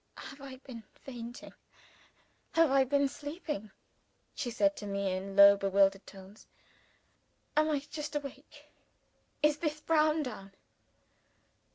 "Have I been fainting? have I been sleeping?" she said to me in low, bewildered tones. "Am I just awake? Is this Browndown?"